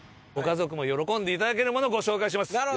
ご家族も喜んで頂けるものをご紹介します。